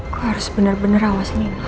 gue harus benar benar awas nino